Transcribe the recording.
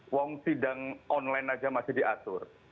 wong sidang online aja masih diatur